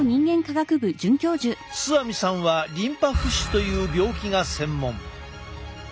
須網さんはリンパ浮腫という病気が専門。